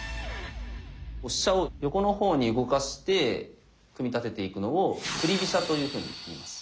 飛車を横の方に動かして組み立てていくのを「振り飛車」というふうにいいます。